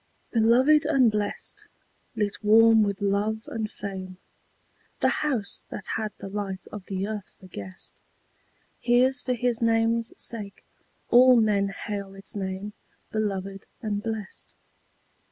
Beloved and blest, lit warm with love and fame, The house that had the light of the earth for guest Hears for his name's sake all men hail its name Beloved and blest.